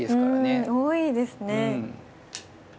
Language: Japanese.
うん多いですね。